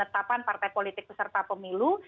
lapan partai politik beserta pemilu